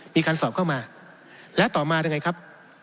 มีการสอบเข้ามาและต่อมาได้ไงครับ